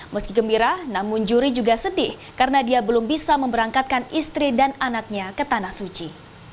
meski gembira namun juri juga sedih karena dia belum bisa memberangkatkan istri dan anaknya ke tanah suci